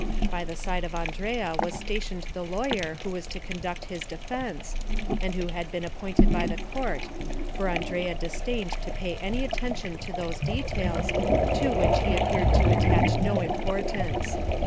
By the side of Andrea was stationed the lawyer who was to conduct his defence, and who had been appointed by the court, for Andrea disdained to pay any attention to those details, to which he appeared to attach no importance.